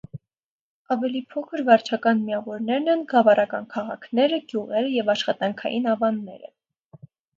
Ավելի փոքր վարչական միավորներն են գավառական քաղաքները, գյուղերը և աշխատանքային ավանները։